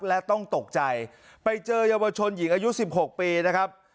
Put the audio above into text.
และต้องตกใจไปเจอเยาวชนหญิงอายุ๑๖ปีนะครับ